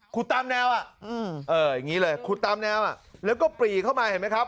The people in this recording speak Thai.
ตามแนวอ่ะอย่างนี้เลยขุดตามแนวแล้วก็ปรีเข้ามาเห็นไหมครับ